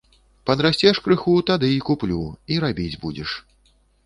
Падрасцеш крыху, тады й куплю, й рабіць будзеш.